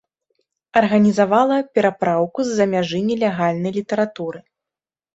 Арганізавала перапраўку з-за мяжы нелегальнай літаратуры.